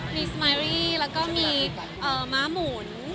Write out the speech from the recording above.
มีสมารี่แล้วก็มีม้าหมุน